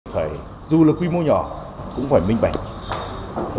phải dù là quy mô nhỏ cũng phải minh bạch